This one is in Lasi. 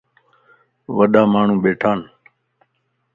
وڏا ماڻهون ٻيٽان